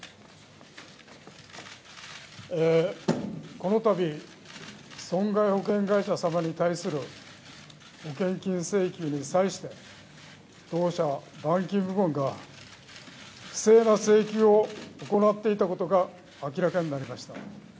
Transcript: この度損害保険会社様に対する保険金請求に際して当社、板金部門が不正な請求を行っていたことが明らかになりました。